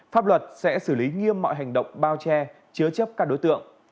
pháp luật sẽ xử lý nghiêm mọi hành động bao che chứa chấp các đối tượng